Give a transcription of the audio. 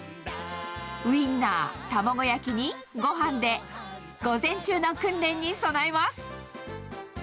ウインナー、卵焼きにごはんで、午前中の訓練に備えます。